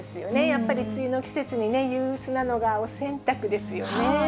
やっぱり梅雨の季節にね、憂うつなのがお洗濯ですよね。